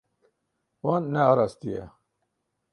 Wan nearastiye.